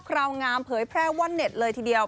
คราวงามเผยแพร่ว่าเน็ตเลยทีเดียว